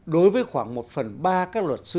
đối với khoảng một phần ba các luật sư